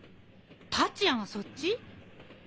達也がそっち？